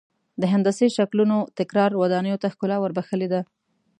د هندسي شکلونو تکرار ودانیو ته ښکلا ور بخښلې ده.